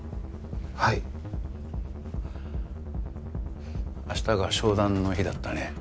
はい明日が商談の日だったね